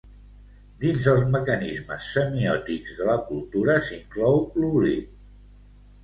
Dins els mecanismes semiòtics de la cultura s’inclou l’oblit.